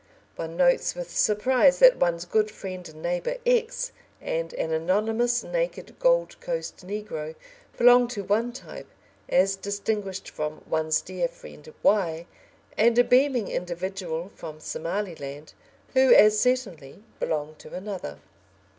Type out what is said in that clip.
One notes with surprise that one's good friend and neighbour X and an anonymous naked Gold Coast negro belong to one type, as distinguished from one's dear friend Y and a beaming individual from Somaliland, who as certainly belong to another.